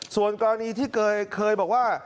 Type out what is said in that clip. ส่วนกรณีที่เคยบอกว่า